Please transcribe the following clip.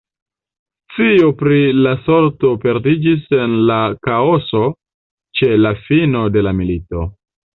Scio pri la sorto perdiĝis en la kaoso ĉe la fino de la milito.